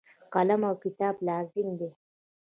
قلم او کتاب لازم دي.